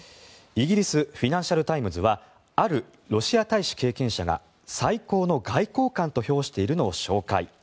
イギリスフィナンシャル・タイムズ紙はあるロシア大使経験者が最高の外交官と評しているのを紹介。